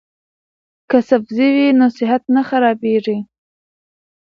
که سبزی وي نو صحت نه خرابیږي.